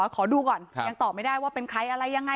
ขอดูก่อนยังตอบไม่ได้ว่าเป็นใครอะไรยังไง